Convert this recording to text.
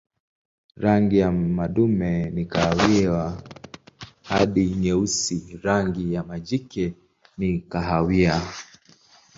Rangi ya madume ni kahawia hadi nyeusi, rangi ya majike ni kahawia.